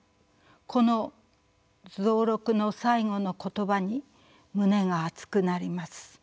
この蔵六の最期の言葉に胸が熱くなります。